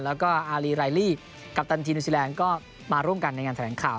แล้วก็อารีไรลี่กัปตันทีนิวซีแลนด์ก็มาร่วมกันในงานแถลงข่าว